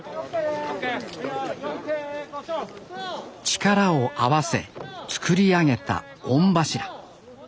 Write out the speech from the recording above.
力を合わせ作り上げた御柱。